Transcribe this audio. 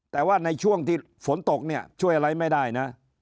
แต่ว่าในช่วงที่ฝนตกเนี่ยช่วยอะไรไม่ได้นะ